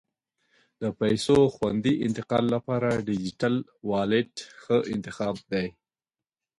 د پیسو خوندي انتقال لپاره ډیجیټل والېټ ښه انتخاب دی.